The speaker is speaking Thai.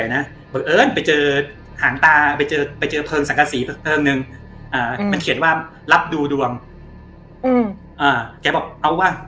นั่งรอก่อนอ่าป่าชิ้นเงี่ยก็นั่งรอไอ้จังหวัด